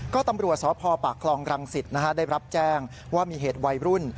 ก็ตำรวจสพปากคลองรังสิตได้รับแจ้งว่ามีเหตุวัยรุ่น